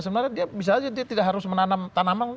sebenarnya dia bisa aja dia tidak harus menanam tanaman